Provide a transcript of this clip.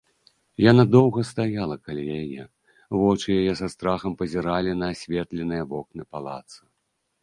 Яна доўга стаяла каля яе, вочы яе са страхам пазіралі на асветленыя вокны палаца.